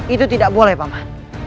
itu tidak boleh paman